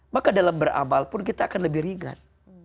maka dalam beramal pun kita akan lebih ringan